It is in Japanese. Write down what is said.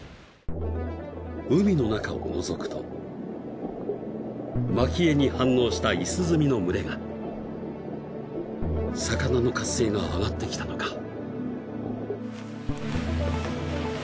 海の中をのぞくとマキエに反応したイスズミの群れが魚の活性が上がってきたのか